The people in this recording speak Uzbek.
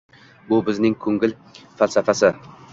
Bu bizning ko‘ngil falsafasi.